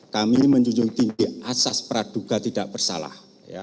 kami menjunjung tinggi asas praduga tidak bersalah